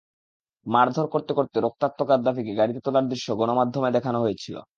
মারধর করতে করতে রক্তাক্ত গাদ্দাফিকে গাড়িতে তোলার দৃশ্য গণমাধ্যমে দেখানো হচ্ছিল।